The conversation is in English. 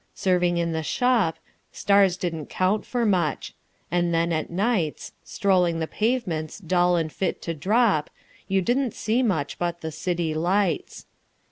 Serving in the shop, Stars didn't count for much; and then at nights Strolling the pavements, dull and fit to drop, You didn't see much but the city lights.